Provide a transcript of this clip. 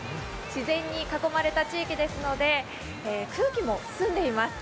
自然に囲まれた地域ですので空気も澄んでいます。